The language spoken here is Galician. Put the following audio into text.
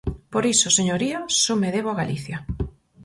Por iso, señoría, só me debo a Galicia.